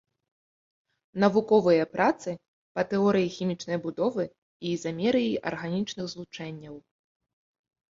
Навуковыя працы па тэорыі хімічнай будовы і ізамерыі арганічных злучэнняў.